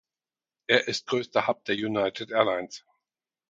Er ist größter Hub der United Airlines.